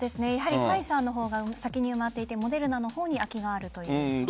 やはりファイザーの方が先に埋まっていてモデルナの方に空きがあるという。